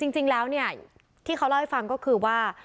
จริงแล้วเนี่ยที่เขาเล่าให้ฟังก็คือว่า